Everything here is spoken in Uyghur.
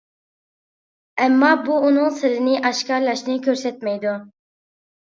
ئەمما بۇ ئۇنىڭ سىرىنى ئاشكارىلاشنى كۆرسەتمەيدۇ.